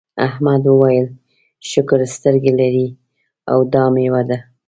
احمد وویل شکر سترګې لرې او دا میوه ده.